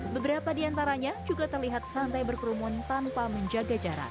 beberapa di antaranya juga terlihat santai berkerumun tanpa menjaga jarak